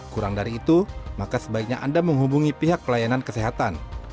kurang dari itu maka sebaiknya anda menghubungi pihak pelayanan kesehatan